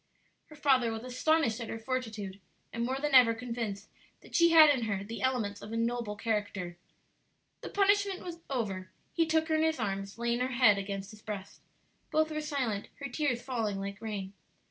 Her father was astonished at her fortitude, and more than ever convinced that she had in her the elements of a noble character. The punishment over, he took her in his arms, laying her head against his breast. Both were silent, her tears falling like rain.